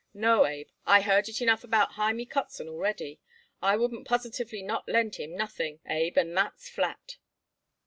No, Abe, I heard it enough about Hymie Kotzen already. I wouldn't positively not lend him nothing, Abe, and that's flat."